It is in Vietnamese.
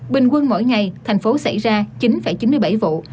bình quân mỗi ngày thành phố xảy ra chín chín mươi bảy vụ